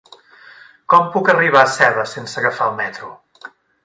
Com puc arribar a Seva sense agafar el metro?